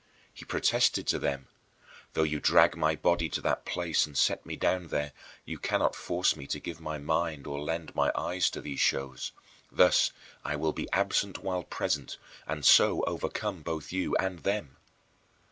He protested to them: "Though you drag my body to that place and set me down there, you cannot force me to give my mind or lend my eyes to these shows. Thus I will be absent while present, and so overcome both you and them."